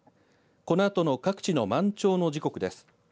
このあとの各地の満潮の時刻です。